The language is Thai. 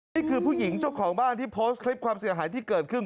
นี่คือผู้หญิงเจ้าของบ้านที่โพสต์คลิปความเสียหายที่เกิดขึ้น